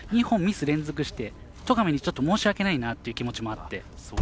２本ミス連続して、戸上に申し訳ないなっていう気持ちもあって。